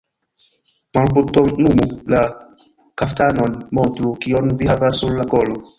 Malbutonumu la kaftanon, montru, kion vi havas sur la kolo.